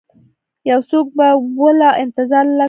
یوڅوک به ووله انتظاره لکه سره سکروټه